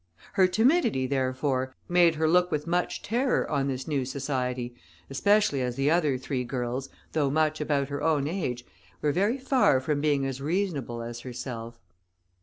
Her timidity, therefore, made her look with much terror on this new society, especially as the other three girls, though much about her own age, were very far from being as reasonable as herself.